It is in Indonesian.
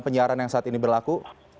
penyiaran yang saat ini berlaku